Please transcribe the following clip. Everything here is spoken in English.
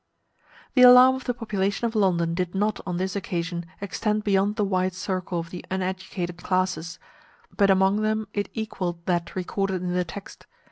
The alarm of the population of London did not on this occasion extend beyond the wide circle of the uneducated classes, but among them it equalled that recorded in the text.